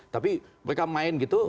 tapi mereka main gitu